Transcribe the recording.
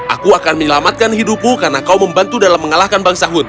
aku akan menyelamatkan hidupku karena kau membantu dalam mengalahkan bangsa hud